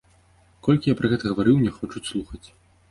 Колькі я пра гэта гаварыў, не хочуць слухаць.